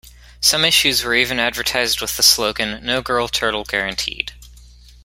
Some issues were even advertised with the slogan: No girl turtle guaranteed.